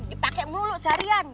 dipake melulu seharian